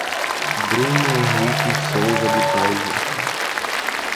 Bruno Henrique Souza de Paiva